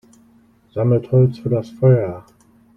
Sammelt Holz für das Feuer!